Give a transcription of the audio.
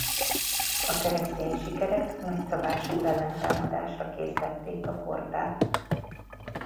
A keresztény sikerek nagyszabású ellentámadásra késztették a Portát.